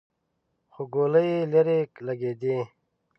خو ګولۍ يې ليرې لګېدې.